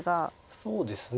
そうですね。